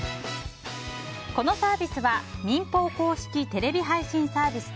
このサービスは民放公式テレビ配信サービス